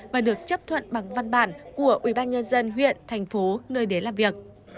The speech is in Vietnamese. và được chấp thuận bằng văn bản của ubnd huyện thành phố nơi đến làm việc